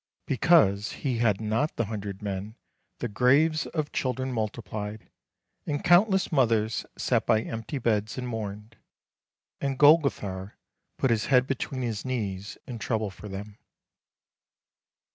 Because he had not the hundred men the graves of children multiplied, and countless mothers sat by empty beds and mourned. And Golgothar put his head between his knees in trouble for them.